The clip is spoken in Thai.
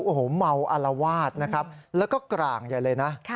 โอ้โหเมาอารวาสนะครับแล้วก็กร่างใหญ่เลยนะ